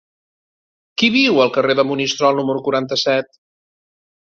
Qui viu al carrer de Monistrol número quaranta-set?